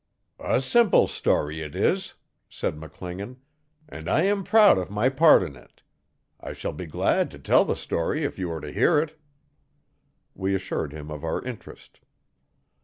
'A simple stawry it is,' said McClingan, 'and Jam proud of my part in it. I shall be glad to tell the stawry if you are to hear it.' We assured him of our interest.